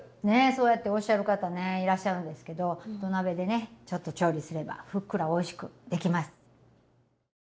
ねえそうやっておっしゃる方ねいらっしゃるんですけど土鍋でねちょっと調理すればふっくらおいしくできます。